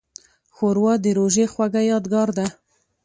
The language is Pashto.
ښوروا د روژې خوږه یادګار ده.